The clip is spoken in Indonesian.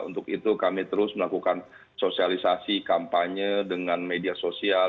untuk itu kami terus melakukan sosialisasi kampanye dengan media sosial